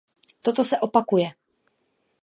Toto se opakuje.